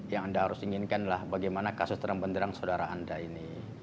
yang anda harus inginkan adalah bagaimana kasus terang benderang saudara anda ini